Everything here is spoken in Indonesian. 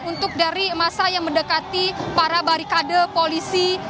untuk dari masa yang mendekati para barikade polisi